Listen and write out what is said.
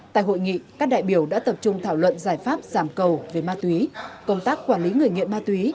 tại hội nghị các đại biểu đã tập trung thảo luận giải pháp giảm cầu về ma túy công tác quản lý người nghiện ma túy